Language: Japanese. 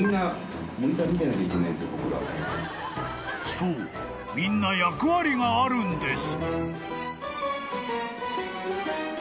［そうみんな役割があるんです］